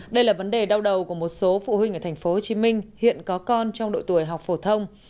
đây là vấn đề đau đầu của một số phụ huynh ở tp hcm hiện có con trong độ tuổi học phổ thông